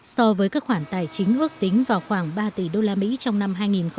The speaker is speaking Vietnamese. so với các khoản tài chính ước tính vào khoảng ba tỷ usd trong năm hai nghìn một mươi tám